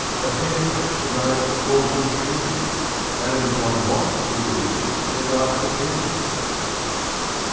A Hair perhaps divides the False and True — And upon what, prithee, may life depend